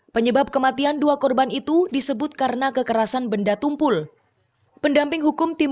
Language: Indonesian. penyebab kematian dua korban itu disebut karena kekerasan benda tumpul pendamping hukum tim